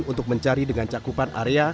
untuk mencari dengan cakupan area